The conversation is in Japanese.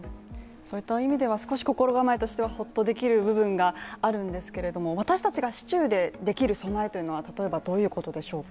そういった意味では少し心構えとしてはほっとできる部分があるんですけれども私達が市中でできる備えというのは例えばどういうことでしょうか？